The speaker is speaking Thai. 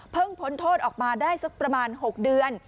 พ้นโทษออกมาได้สักประมาณ๖เดือน